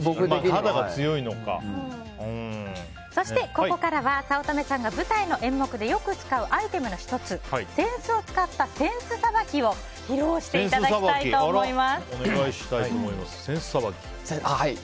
そして、ここからは早乙女さんが舞台の演目でよく使うアイテムの１つ扇子を使った扇子さばきを披露していただきたいと思います。